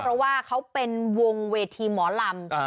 เพราะว่าเขาเป็นวงเวทีหมอลำ